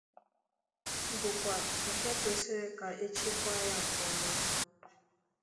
bụkwa nke kwesiri ka e chekwaa ya nke ọma